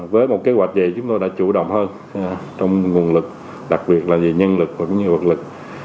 với một kế hoạch vậy chúng tôi đã chủ động hơn trong nguồn lực đặc biệt là về nhân lực và các nguyên vật lực